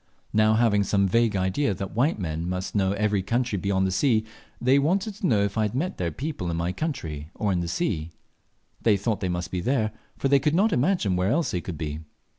Now having some vague idea that white men must know every country beyond the sea, they wanted to know if I had met their people in my country or in the sea. They thought they must be there, for they could not imagine where else they could be.